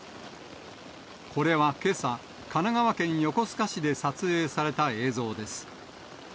これはけさ、神奈川県横須賀市で撮影された映像です。